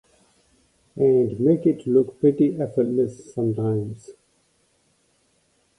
And make it look pretty effortless sometimes.